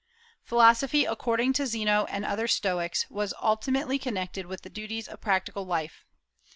Philosophy, according to Zeno and other Stoics, was intimately connected with the duties of practical life.